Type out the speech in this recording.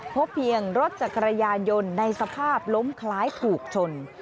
พบเพียงรถจักรยานยนต์ในสภาพล้มคล้ายถูกชน